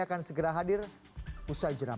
akan segera hadir usai jeram